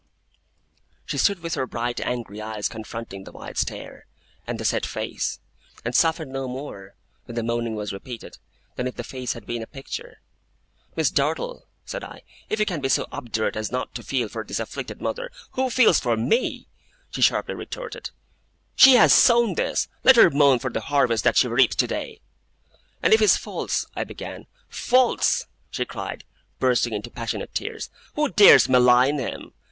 She stood with her bright angry eyes confronting the wide stare, and the set face; and softened no more, when the moaning was repeated, than if the face had been a picture. 'Miss Dartle,' said I, 'if you can be so obdurate as not to feel for this afflicted mother ' 'Who feels for me?' she sharply retorted. 'She has sown this. Let her moan for the harvest that she reaps today!' 'And if his faults ' I began. 'Faults!' she cried, bursting into passionate tears. 'Who dares malign him?